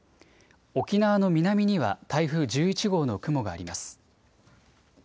沖縄の南には台風１１号の雲があります。